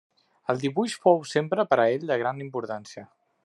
El dibuix fou sempre per a ell de gran importància.